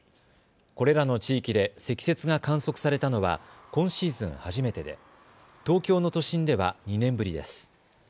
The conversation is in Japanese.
これらの地域で積雪が観測されたのは今シーズン初めてで東京の都心では２年ぶりです。